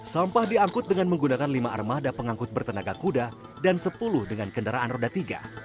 sampah diangkut dengan menggunakan lima armada pengangkut bertenaga kuda dan sepuluh dengan kendaraan roda tiga